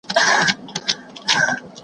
لکه میندي هسي لوڼه لکه ژرندي هسي دوړه